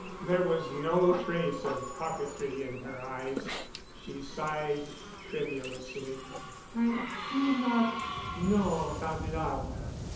There was no trace of coquetry in her eyes; she sighed tremulously. "I do not know about love.